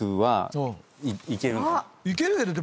いけるよ。